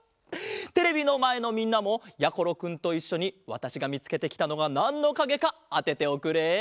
テレビのまえのみんなもやころくんといっしょにわたしがみつけてきたのはなんのかげかあてておくれ。